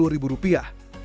empat puluh ribu rupiah